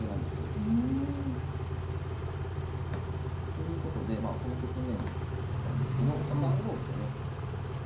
うん。ということでこの局面なんですけど３五歩とね。